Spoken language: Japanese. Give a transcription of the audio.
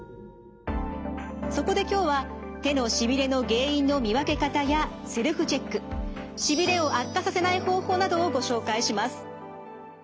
そこで今日は手のしびれの原因の見分け方やセルフチェックしびれを悪化させない方法などをご紹介します。